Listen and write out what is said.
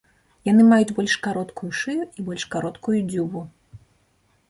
Яны маюць больш кароткую шыю і больш кароткую дзюбу.